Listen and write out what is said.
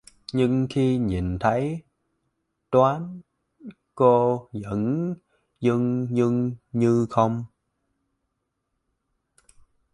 Nhưng khi nhìn thấy Tuấn cô vẫn dưng dưng như không